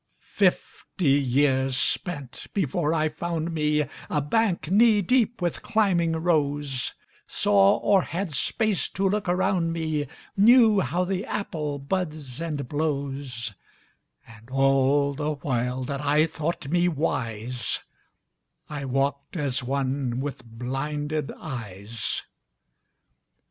Fifty years spent before I found meA bank knee deep with climbing rose, Saw, or had space to look around me, Knew how the apple buds and blows; And all the while that I thought me wiseI walked as one with blinded eyes.